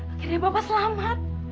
akhirnya bapak selamat